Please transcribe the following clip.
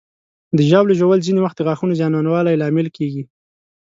د ژاولې ژوول ځینې وخت د غاښونو زیانمنوالي لامل کېږي.